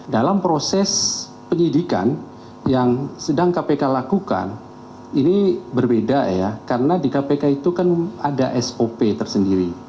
dalam proses penyidikan yang sedang kpk lakukan ini berbeda ya karena di kpk itu kan ada sop tersendiri